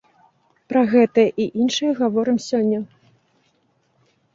Пра гэта і іншае гаворым сёння.